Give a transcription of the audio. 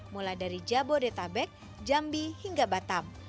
mulai dari jabodetabek jambi hingga batam